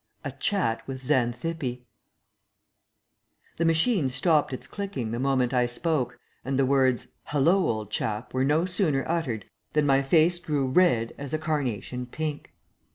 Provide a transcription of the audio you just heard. IV. A CHAT WITH XANTHIPPE The machine stopped its clicking the moment I spoke, and the words, "Hullo, old chap!" were no sooner uttered than my face grew red as a carnation pink.